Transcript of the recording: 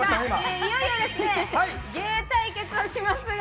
いよいよ芸対決をします。